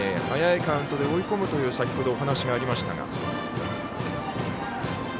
早いカウントで追い込むというお話がありましたが。